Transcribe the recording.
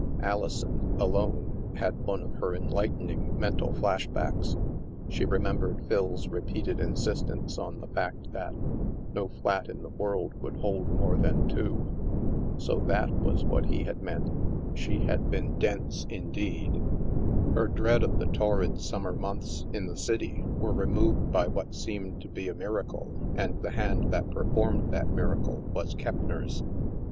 Alison, alone, had one of her enlightening men tal back flashes. She remembered Phil's repeated insistence on the fact that "no flat in the world would hold more than two." So that was what he had meant! She had been dense indeed! Her dread of the torrid summer months in the city were removed by what seemed to be a miracle, and the hand that performed the miracle was Kepp ner's.